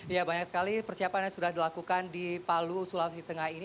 ya banyak sekali persiapan yang sudah dilakukan di palu sulawesi tengah ini